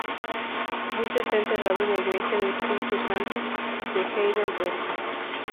Luis está enterrado en la Iglesia del Espíritu Santo de Heidelberg.